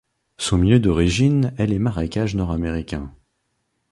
Son milieu d'origine est les marécages nord-américains.